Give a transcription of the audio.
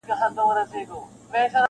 اردلیانو خبراوه له هر آفته-